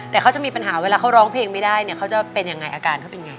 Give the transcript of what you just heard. แต่เขาจะมีปัญหาเวลาเขาร้องเพลงไม่ได้เนี่ยเขาจะเป็นยังไงอาการเขาเป็นไง